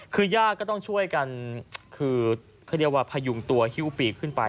คือญาติก็ต้องช่วยกันคือเขาเรียกว่าพยุงตัวฮิ้วปีกขึ้นไป